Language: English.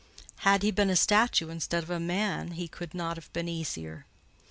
Had he been a statue instead of a man, he could not have been easier.